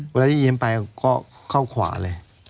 เวลาได้ยินไปก็เข้าขวาเลย